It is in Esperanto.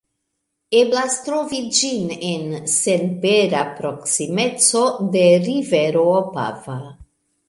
Eblas trovi ĝin en senpera proksimeco de rivero Opava.